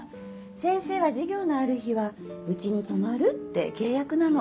先生は授業のある日は家に泊まるって契約なの。